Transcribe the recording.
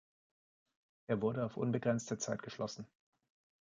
Er wurde auf unbegrenzte Zeit geschlossen.